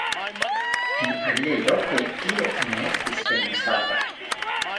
En aliaj lokoj tio ne estis permesata.